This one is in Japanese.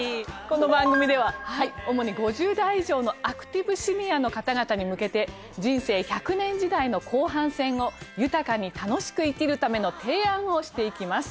この番組では主に５０代以上のアクティブシニアの方々に向けて人生１００年時代の後半戦を豊かに楽しく生きるための提案をしていきます。